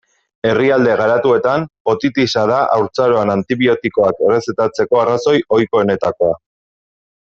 Herrialde garatuetan, otitisa da haurtzaroan antibiotikoak errezetatzeko arrazoi ohikoenetakoa.